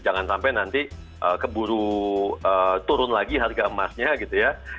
jangan sampai nanti keburu turun lagi harga emasnya gitu ya